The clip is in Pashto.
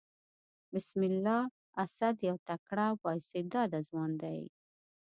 بسم الله اسد يو تکړه او با استعداده ځوان دئ.